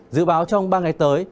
dự báo trong ba ngày tới